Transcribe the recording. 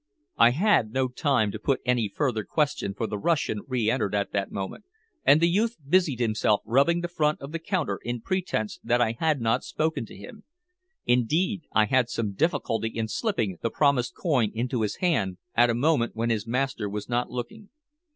I had no time to put any further question, for the Russian re entered at that moment, and the youth busied himself rubbing the front of the counter in pretense that I had not spoken to him. Indeed, I had some difficulty in slipping the promised coin into his hand at a moment when his master was not looking.